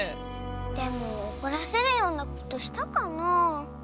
でもおこらせるようなことしたかなあ。